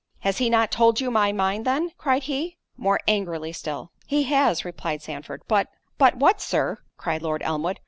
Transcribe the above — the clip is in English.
"Has he not told you my mind then?" cried he, more angrily still. "He has;" replied Sandford,—"But"—— "But what, Sir?" cried Lord Elmwood.